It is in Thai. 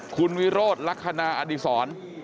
คุณวิโรธลักษณะอดีศร